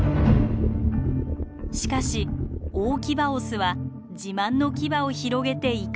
しかし大キバオスは自慢のキバを広げて威嚇。